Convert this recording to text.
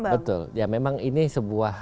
betul ya memang ini sebuah